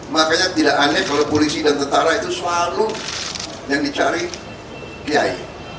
makanya tidak aneh kalau polisi dan tentara itu selalu yang dicari kiai